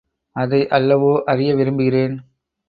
அதை அல்லவோ அறிய விரும்புகிறேன்.